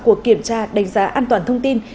của kiểm tra đánh giá an toàn thông tin